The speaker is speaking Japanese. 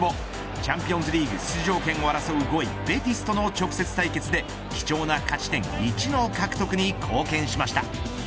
チャンピオンズリーグ出場権を争う５位べティスとの直接対決で貴重な勝ち点１の獲得に貢献しました。